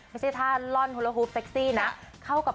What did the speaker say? ไม่ใช่ท่าล่อนโฮโลฮูปเซ็กซี่นะ